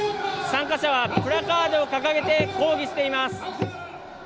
参加者はプラカードを掲げて抗議しています。